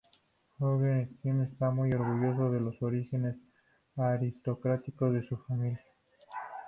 Ungern-Sternberg está muy orgulloso de los orígenes aristocráticos de su familia.